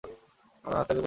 আমার আত্মাকেই আমি পূজা করি।